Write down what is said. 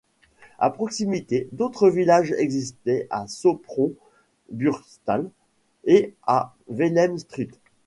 À proximité, d´autres villages existaient à Sopron-Burgstall et à Velem-St.